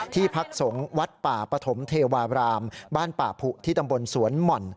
ที่พักสงฆ์วัดป่าปฐมเทวารามบ้านป่าผุที่ตำบลสวนหม่อน